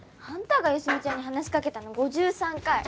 あんたが好美ちゃんに話しかけたの５３回。